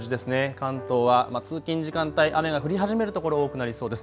関東は通勤時間帯雨が降り始める所多くなりそうです。